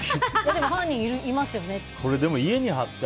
でも犯人いますよねって。